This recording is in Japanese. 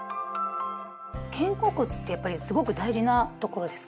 肩甲骨ってやっぱりすごく大事なところですか？